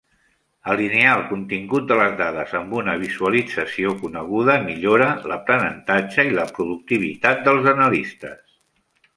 Alinear el contingut de les dades amb una visualització coneguda millora l'aprenentatge i la productivitat dels analistes.